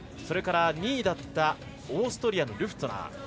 それから２位だったオーストリアのルフトゥナー。